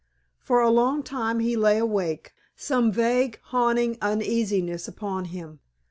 For a long time he lay awake, some vague, haunting uneasiness upon him.